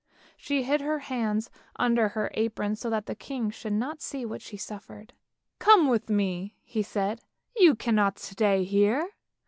She hid her hands under her apron, so that the king should not see what she suffered. " Come with me! " he said; " you cannot stay here.